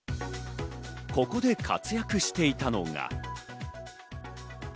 ここで活躍していたのが。